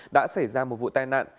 đã xảy ra một vụ tai nạn